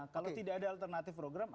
kalau tidak ada alternatif program